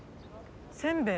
せんべい？